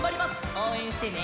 おうえんしてね！